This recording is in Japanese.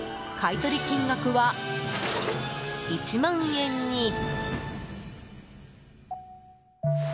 買い取り金額は１万円に。